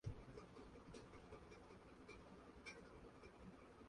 Chéngo ajapota pe tuichavéva, pe ijojaha'ỹva.